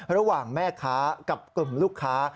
ระหว่างแม่ค้ากับกลุ่มลูกค้า